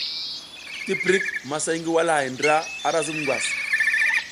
Tiptik, masay ngi walahay ndra ara zub ngwas.